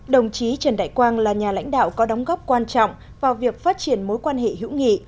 đồng chí trần đại quang là nhà lãnh đạo có đóng góp quan trọng vào việc phát triển mối quan hệ hữu nghị